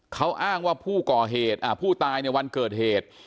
เขาอ้างว่าผู้ก่อเหตุผู้ตายในวันเกิดเหตุ